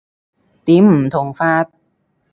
點唔同法？